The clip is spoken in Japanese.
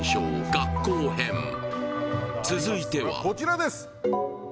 「学校編」続いてはこちらです！